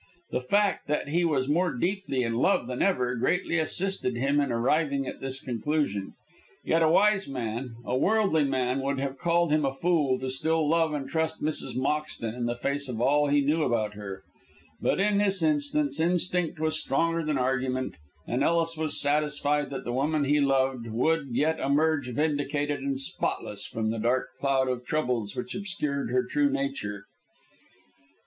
The fact that he was more deeply in love than ever, greatly assisted him in arriving at this conclusion. Yet a wise man, a worldly man, would have called him a fool to still love and trust Mrs. Moxton in the face of all he knew about her. But in this instance instinct was stronger than argument, and Ellis was satisfied that the woman he loved would yet emerge vindicated and spotless from the dark cloud of troubles which obscured her true nature.